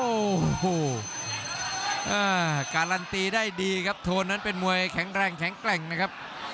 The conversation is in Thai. โอ้โหการันตีได้ดีครับโทนนั้นเป็นมวยแข็งแรงแข็งแกร่งนะครับ